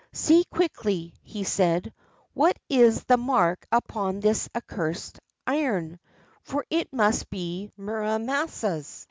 "See quickly," he said, " what is the mark upon this accursed iron, for it must be Muramasa's!